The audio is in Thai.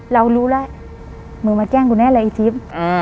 เรารู้แล้วมึงมาแกล้งกูแน่เลยไอ้ทิพย์